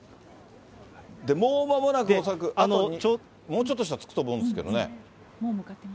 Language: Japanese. もうまもなく、恐らく、もうちょっとしたら着くと思うんですけどね。